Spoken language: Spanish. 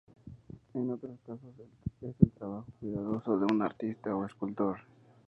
En otros casos, es el trabajo cuidadoso de un artista o escultor.